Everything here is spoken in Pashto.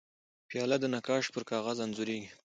پیاله د نقاش پر کاغذ انځورېږي.